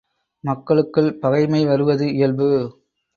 மக்களுக்குள் பகைமை வருவது இயல்பு.